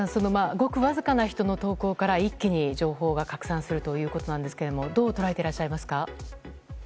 ごくわずかな人の投稿から一気に情報が拡散するということですがどう捉えていらっしゃいますか。